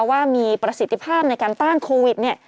ว่ามีประสิทธิภาพในการต้านโควิด